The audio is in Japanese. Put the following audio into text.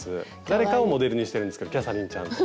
誰かをモデルにしてるんですけどキャサリンちゃんの。